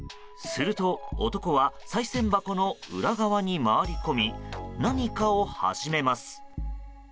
すると、男はさい銭箱の裏側に回り込み何かを始めます。